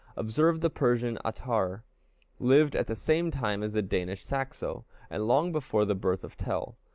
Observe, the Persian Âttar lived at the same time as the Danish Saxo, and long before the birth of Tell.